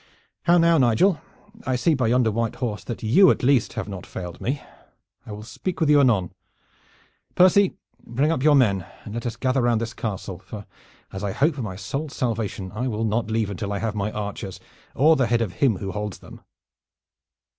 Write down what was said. How now, Nigel? I see by yonder white horse that you at least have not failed me. I will speak with you anon. Percy, bring up your men, and let us gather round this castle, for, as I hope for my soul's salvation, I win not leave it until I have my archers, or the head of him who holds them."